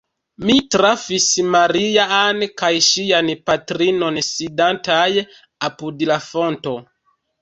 Mi trafis Maria-Ann kaj ŝian patrinon sidantaj apud la fonto.